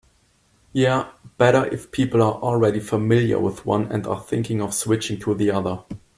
Yeah, better if people are already familiar with one and are thinking of switching to the other.